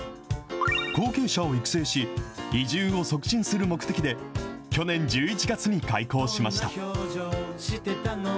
後継者を育成し、移住を促進する目的で、去年１１月に開校しました。